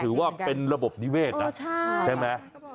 ถือว่าเป็นระบบนิเวศนะใช่ไหม